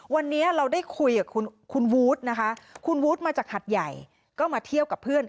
วันนี้เราได้คุยกับคุณวูดนะคะคุณวูดมาจากหัดใหญ่ก็มาเที่ยวกับเพื่อน